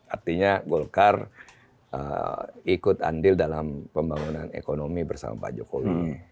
artinya golkar ikut andil dalam pembangunan ekonomi bersama pak jokowi